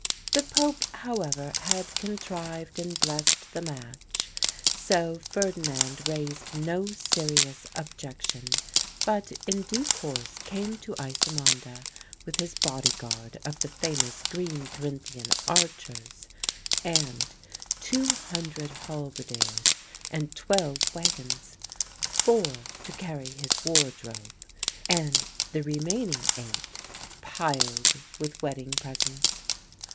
The Pope, however, had contrived and blessed the match; so Ferdinand raised no serious objection, but in due course came to Ysselmonde with his bodyguard of the famous Green Carinthian Archers, and two hundred halberdiers and twelve waggons four to carry his wardrobe, and the remaining eight piled with wedding presents.